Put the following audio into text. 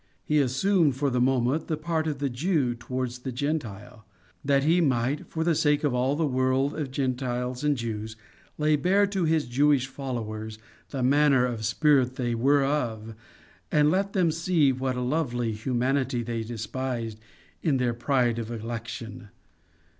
He assumed for the moment the part of the Jew towards the Gentile, that he might, for the sake of all the world of Gentiles and Jews, lay bare to his Jewish followers the manner of spirit they were of, and let them see what a lovely humanity they despised in their pride of election.